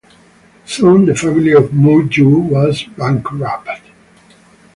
Soon the family of Moo Yeol was bankrupt.